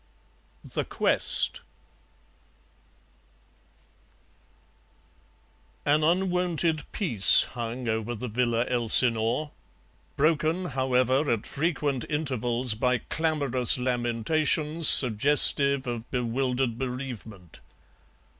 THE QUEST An unwonted peace hung over the Villa Elsinore, broken, however, at frequent intervals, by clamorous lamentations suggestive of bewildered bereavement.